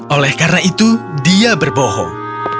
oleh karena itu dia berbohong